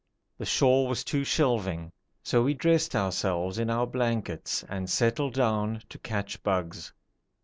The shore was too shelving, so we dressed ourselves in our blankets and settled down to catch bugs.